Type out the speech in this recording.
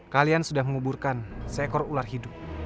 kalian sudah menguburkan seekor ular hidup